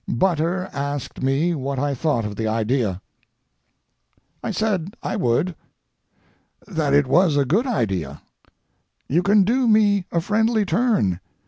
Butter asked me what I thought of the idea. I said I would; that it was a good idea. "You can do me a friendly turn.